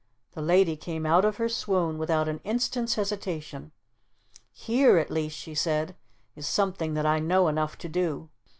The Lady came out of her swoon without an instant's hesitation. "Here at least," she said, "is something that I know enough to do."